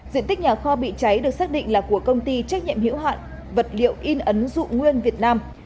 diện tích nhà kho bị cháy được xác định là của công ty trách nhiệm hữu hạn vật liệu in ấn dụ nguyên việt nam